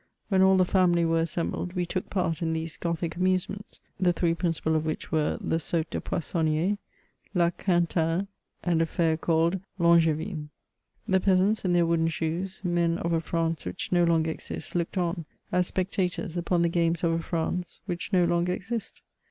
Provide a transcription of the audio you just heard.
When all the family were assembled, we took part in these gothic amusements: the three principal of which were the '^Saut de Poissooniers^'* La Qtdntaine/' and a fair called " L'Angevme." The peasants, in their wooden shoes, men of a France which no longer exists, looked on, as ^lectators, upon the games of a France which no Icmger exist.